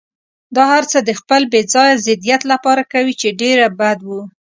دا هرڅه د خپل بې ځایه ضدیت لپاره کوي، چې ډېر بد و.